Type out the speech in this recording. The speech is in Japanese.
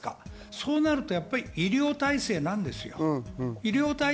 そう考えると医療体制なんです。